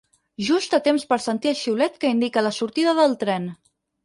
Just a temps per sentir el xiulet que indica la sortida del tren.